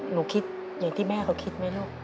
หนูคิดอย่างที่แม่เขาคิดไหมลูก